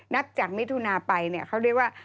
นับจากมิถุนาไปเนี่ยเขาเรียกว่า